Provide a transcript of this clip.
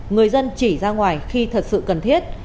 người dân chỉ ra ngoài khi thật sự cần thiết